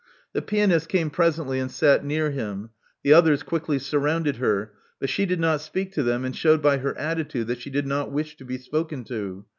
The pianist came presently and sat near him. The others quickly surrounded her; but she did not speak to them, and shewed by her attitude that she did not wish to be spoken to.